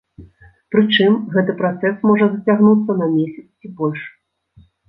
Прычым гэты працэс можа зацягнуцца на месяц ці больш.